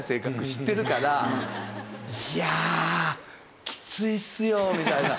知ってるから「いやきついっすよ」みたいな。